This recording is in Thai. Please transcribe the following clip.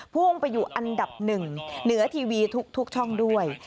พุ่งไปอยู่อันดับหนึ่งเหนือทีวีทุกช่องด้วย